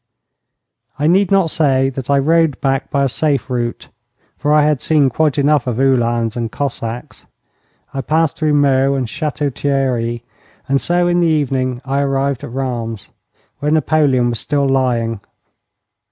I need not say that I rode back by a safe route, for I had seen quite enough of Uhlans and Cossacks. I passed through Meaux and Château Thierry, and so in the evening I arrived at Rheims, where Napoleon was still lying.